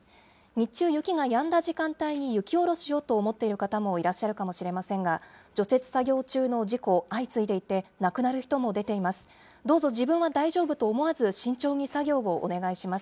日中、雪がやんだ時間帯に雪下ろしをと思っている方もいらっしゃるかもしれませんが、除雪作業中の事故、相次いでいて、亡くなる人も出ています。